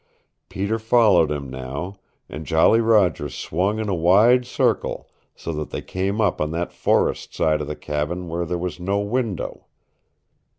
Peter followed him now, and Jolly Roger swung in a wide circle, so that they came up on that forest side of the cabin where there was no window.